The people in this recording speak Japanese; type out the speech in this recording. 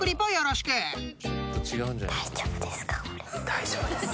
大丈夫です。